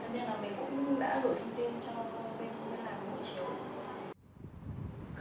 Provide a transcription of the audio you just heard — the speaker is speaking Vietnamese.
thế nên là mình cũng đã đổi thông tin cho mình làm hộ chiếu